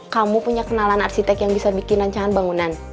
kamu punya kenalan arsitek yang bisa bikin rancangan bangunan